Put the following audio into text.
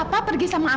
apa yang tos lakukan